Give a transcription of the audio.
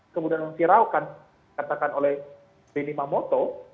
kemudian mengkiraukan katakan oleh bini mamoto